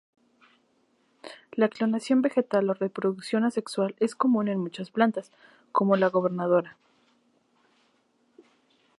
La clonación vegetal o reproducción asexual es común en muchas plantas, como la gobernadora.